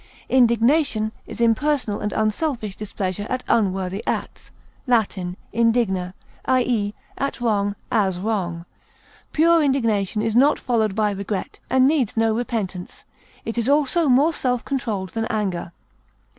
Indignation is impersonal and unselfish displeasure at unworthy acts (L. indigna), i. e., at wrong as wrong. Pure indignation is not followed by regret, and needs no repentance; it is also more self controlled than anger.